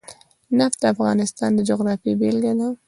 نفت د افغانستان د جغرافیې بېلګه ده.